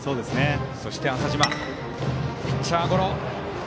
そして浅嶋、ピッチャーゴロ。